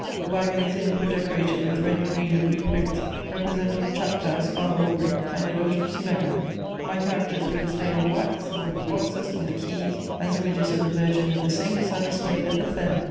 The wagoners' inns were decorated with red, green and blue prints representing Chactas, Father Aubry, and the daughter of Simaghan. My characters were displayed in wax, in wooden boxes, on the quays, as images of the Virgin and the saints are displayed at the fair.